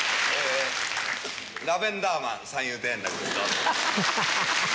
ラベンダーマン三遊亭圓楽です。